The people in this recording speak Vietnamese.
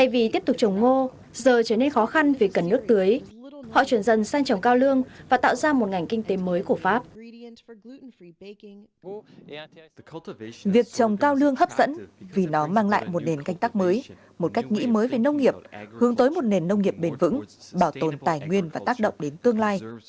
việc trồng cao lương hấp dẫn vì nó mang lại một nền canh tắc mới một cách nghĩ mới về nông nghiệp hướng tới một nền nông nghiệp bền vững bảo tồn tài nguyên và tác động đến tương lai